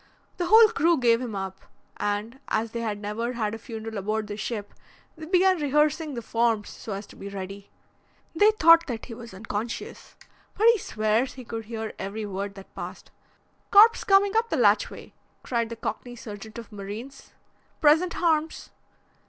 The whole crew gave him up, and, as they had never had a funeral aboard the ship, they began rehearsing the forms so as to be ready. They thought that he was unconscious, but he swears he could hear every word that passed. 'Corpse comin' up the latchway!' cried the Cockney sergeant of Marines. 'Present harms!'